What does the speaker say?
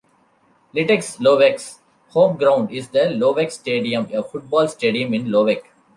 Litex Lovech's home ground is the Lovech Stadium, a football stadium in Lovech.